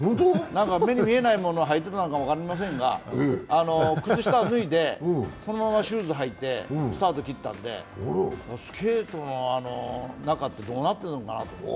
目に見えないものを履いてたのかも分かりませんがそのままシューズを履いてスタートを切ったんで、スケートの中ってどうなってるのかなと思って。